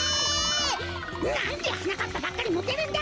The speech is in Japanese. なんではなかっぱばっかりモテるんだ！